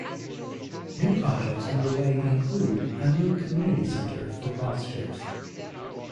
New projects under way include: A new community centre for Broadstairs.